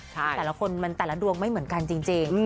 แต่ละคนมันแต่ละดวงไม่เหมือนกันจริง